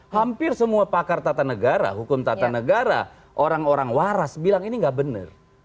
hampir semua pakar tata negara hukum tata negara orang orang waras bilang ini nggak benar